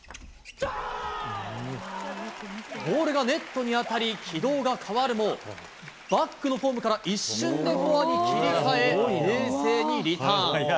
ボールがネットに当たり、軌道が変わるも、バックのフォームから一瞬でフォアに切り替え、冷静にリターン。